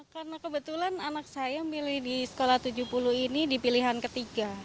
karena kebetulan anak saya yang pilih di sekolah tujuh puluh ini di pilihan ketiga